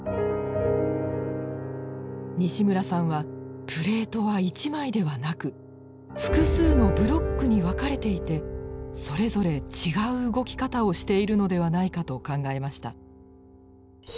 西村さんはプレートは１枚ではなく複数のブロックに分かれていてそれぞれ違う動き方をしているのではないかと考えました。